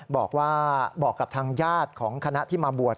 บอกว่าบอกกับทางญาติของคณะที่มาบวช